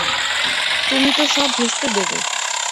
তুমি তো সব ভেস্তে দেবে।